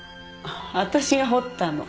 私が彫ったの。